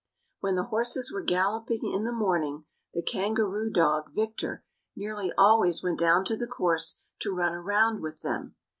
When the horses were galloping in the morning the kangaroo dog, Victor, nearly always went down to the course to run round with them.